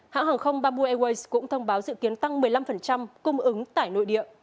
hãng hàng không bamboo airways cũng thông báo dự kiến tăng một mươi năm cung ứng tải nội địa